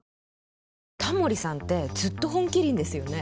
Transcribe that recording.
タモリさんってずっと「本麒麟」ですよね。